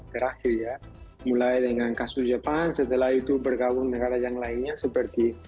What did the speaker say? terakhir ya mulai dengan kasus jepang setelah itu bergabung negara yang lainnya seperti